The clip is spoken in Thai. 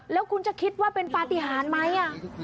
แล้วคุณจะคิดว่าเป็นปฏิหารไหม